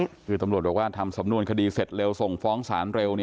คือตำรวจบอกว่าทำสำนวนคดีเสร็จเร็วส่งฟ้องสารเร็ว